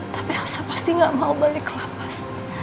tapi elsa pasti gak mau balik ke lapas